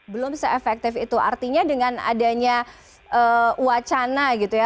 belum se efektif itu artinya dengan adanya wacana gitu ya